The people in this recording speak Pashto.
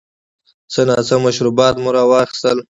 څه ناڅه مشروبات مو را واخیستل.